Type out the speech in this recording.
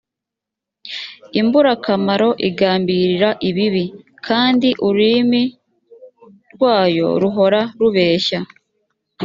imburakamaro igambirira ibibi kandi ururimi rwyo ruhora rubeshya